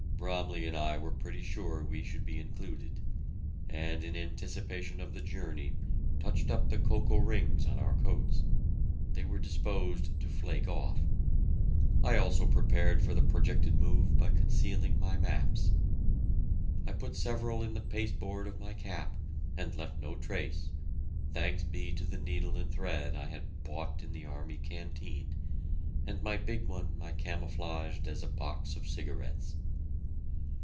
Bromley and I were pretty sure we should be included, and in anticipation of the journey touched up the cocoa rings on our coats. They were disposed to flake off. I also prepared for the projected move by concealing my maps. I put several in the pasteboard of my cap and left no trace, thanks be to the needle and thread I had bought in the army canteen, and my big one I camouflaged as a box of cigarettes.